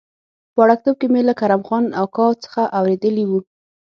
په وړکتوب کې مې له کرم خان اکا څخه اورېدلي و.